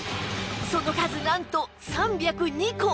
その数なんと３０２個！